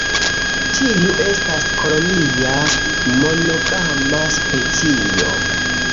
Tiu estas kolonia, monogama specio.